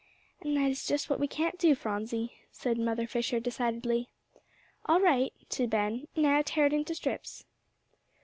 "And that is just what we can't do, Phronsie," said Mother Fisher decidedly. "All right," to Ben, "now tear it into strips."